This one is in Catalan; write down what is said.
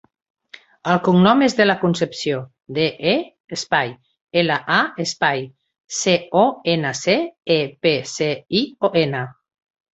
El cognom és De La Concepcion: de, e, espai, ela, a, espai, ce, o, ena, ce, e, pe, ce, i, o, ena.